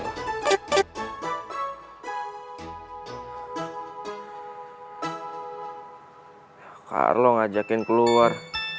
ya karlo ngajakin keluar